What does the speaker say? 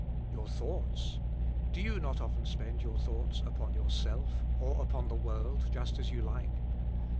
You^ thoughts! Do you not often spend your thought^ upon yourself or upon the world, just as you like?